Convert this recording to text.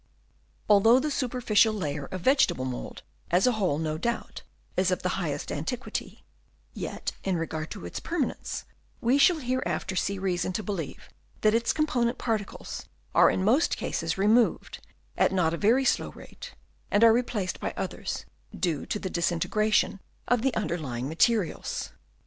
Although the superficial layer of vegetable mould as a whole no doubt is of the highest antiquity, yet in regard to its permanence, we shall here after see reason to believe that its component particles are in most cases removed at not a very slow rate, and are replaced by others due to the disintegration of the underlying materials.